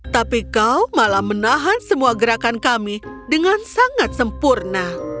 tapi kau malah menahan semua gerakan kami dengan sangat sempurna